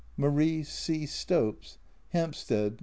MARIE C. STOPES. HAMPSTEAD.